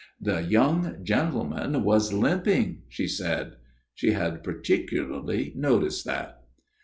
The young gentleman was limping, she said. ' She had particularly noticed that.'